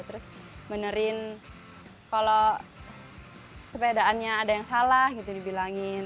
terus benerin kalau sepedaannya ada yang salah gitu dibilangin